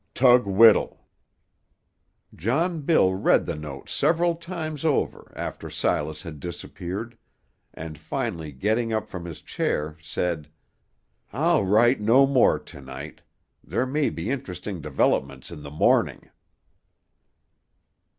"TUG WHITTLE." John Bill read the note several times over after Silas had disappeared, and finally getting up from his chair, said, "I'll write no more to night; there may be interesting developments in the morning."